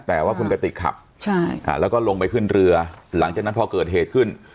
แต่ว่าคุณกติกขับแล้วก็ลงไปขึ้นเรือหลังจากนั้นพอเกิดเหตุขึ้น